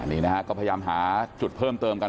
นี่นะฮะก็พยายามหาจุดเพิ่มเติมกัน